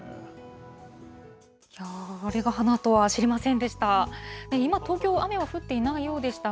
あれが花とは知りませんでした。